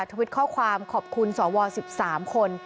ทวิตข้อความขอบคุณสว๑๓คน